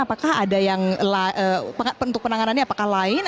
apakah ada yang untuk penanganannya apakah lain